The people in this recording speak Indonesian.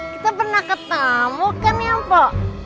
kita pernah ketemu kan ya po